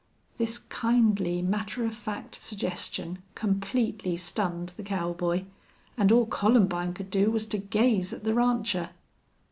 This kindly, matter of fact suggestion completely stunned the cowboy, and all Columbine could do was to gaze at the rancher.